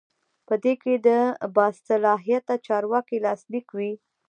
په دې کې د باصلاحیته چارواکي لاسلیک وي.